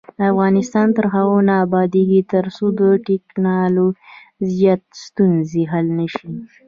افغانستان تر هغو نه ابادیږي، ترڅو د ټرانزیت ستونزې حل نشي.